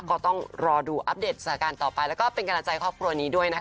ก็ต้องรอดูอัปเดตสถานการณ์ต่อไปแล้วก็เป็นกำลังใจครอบครัวนี้ด้วยนะคะ